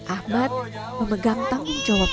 ahmad memegang tanggung jawab